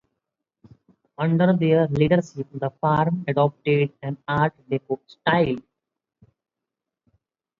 Under their leadership, the firm adopted an Art Deco style.